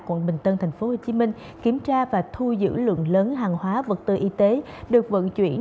quận bình tân tp hcm kiểm tra và thu giữ lượng lớn hàng hóa vật tư y tế được vận chuyển